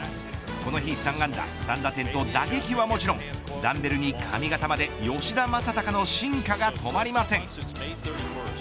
この日、３安打３打点と打撃はもちろんダンベルに髪型まで吉田正尚の進化が止まりません。